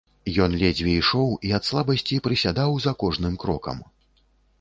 Ён ледзьве ішоў і ад слабасці прысядаў за кожным крокам.